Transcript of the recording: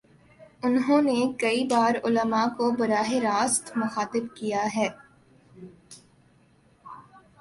انہوں نے کئی بارعلما کو براہ راست مخاطب کیا ہے۔